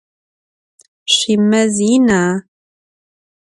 Şüimez yina?